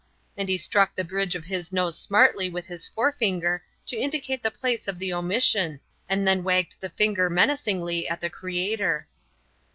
And he struck the bridge of his nose smartly with his forefinger to indicate the place of the omission and then wagged the finger menacingly at the Creator.